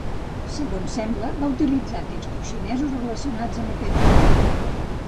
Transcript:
Segons sembla, va utilitzar textos xinesos relacionats amb aquest jutge.